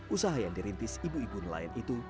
usaha yang dirintis ibu ibu nelayan itu